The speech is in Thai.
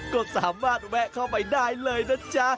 ก็สามารถแวะเข้าไปได้เลยนะจ๊ะ